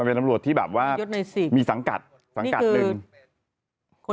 เป็นตำรวจที่แบบว่ามีสังกัดสังกัดหนึ่งคน